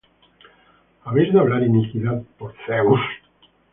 ¿Habéis de hablar iniquidad por Dios?